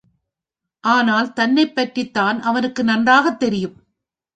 ஆனால், தன்னைப் பற்றித்தான் அவனுக்கு நன்றாகத் தெரியும்.